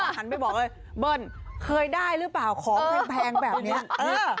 หันไปบอกเลยเบิ้ลเคยได้หรือเปล่าของแพงแบบเนี้ยเออ